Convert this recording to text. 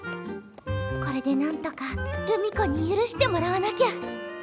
これでなんとか留美子に許してもらわなきゃ。